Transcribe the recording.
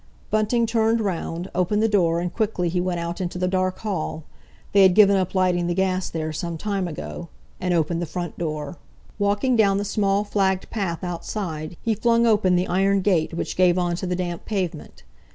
Bunting turned round, opened the door, and quickly he went out into the dark hall—they had given up lighting the gas there some time ago—and opened the front door. Walking down the small flagged path outside, he flung open the iron gate which gave on to the damp pavement.